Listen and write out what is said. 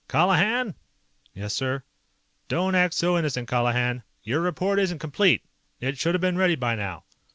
"Colihan!" "Yes, sir?" "Don't act so innocent, Colihan. Your report isn't complete. It should have been ready by now."